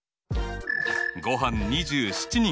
ごはん２７人。